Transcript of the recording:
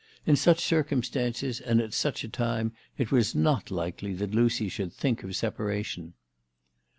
In such circumstances and at such a time it was not likely that Lucy should think of separation.